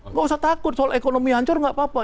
nggak usah takut soal ekonomi hancur nggak apa apa